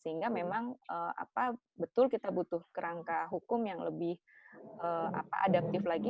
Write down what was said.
sehingga memang betul kita butuh kerangka hukum yang lebih adaptif lagi